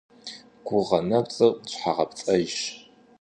Гугъэ нэпцӀыр щхьэгъэпцӀэжщ.